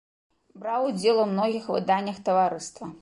Браў удзел у многіх выданнях таварыства.